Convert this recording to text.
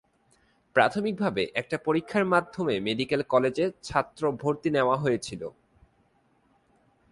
প্রাথমিক ভাবে একটা পরীক্ষার মাধ্যমে মেডিক্যাল কলেজে ছাত্র ভর্তি নেওয়া হয়েছিল।